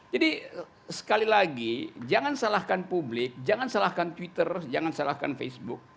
jadi sekali lagi jangan salahkan publik jangan salahkan twitter jangan salahkan facebook